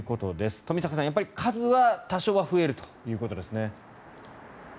冨坂さん、数は多少は増えるということですね。